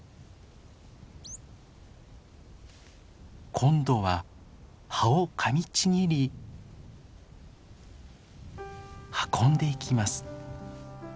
今度は葉をかみちぎり運んでいきます。